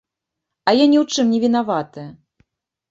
А я ні ў чым не вінаваты.